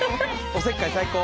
おせっかい最高。